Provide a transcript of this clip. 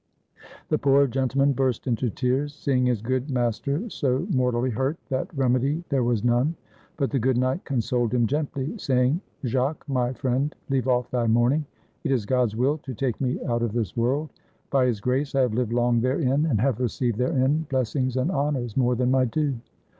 The poor gentleman burst into tears, seeing his good master so mortally hurt that remedy there was none; but the good knight consoled him gently, saying, "Jacques, my friend, leave off thy mourning; it is God's will to take me out of this world; by His grace I have lived long therein, and have received therein blessings and honors more than my due.